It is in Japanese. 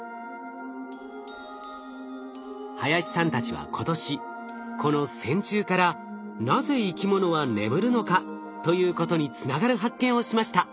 林さんたちは今年この線虫から「なぜ生きものは眠るのか？」ということにつながる発見をしました。